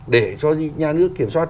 để cho nhà nước kiểm soát